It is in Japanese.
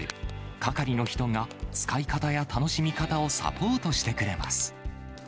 係の人が、使い方や楽しみ方をサポートしてくれます。